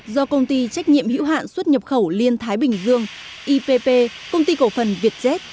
do công ty trách nhiệm hữu hạn xuất nhập khẩu liên thái bình dương ipp công ty cổ phần vietjet